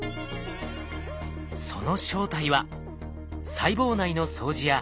その正体は細胞内の掃除屋